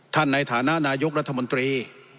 ท่านในฐานะนายุครัฐมนตรี